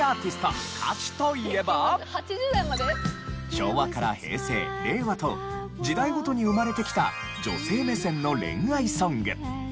昭和から平成令和と時代ごとに生まれてきた女性目線の恋愛ソング。